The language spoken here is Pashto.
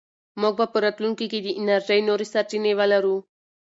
موږ به په راتلونکي کې د انرژۍ نورې سرچینې ولرو.